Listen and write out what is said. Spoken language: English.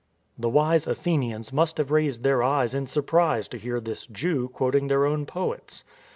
" The wise Athenians must have raised their eyes in surprise to hear this Jew quoting their own poets.